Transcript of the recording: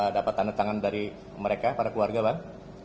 dapat tanda tangan dari mereka para keluarga bang